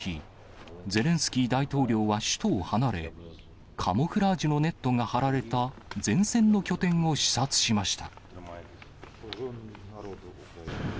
軍の創設記念日となるこの日、ゼレンスキー大統領は首都を離れ、カモフラージュのネットが張られた前線の拠点を視察しました。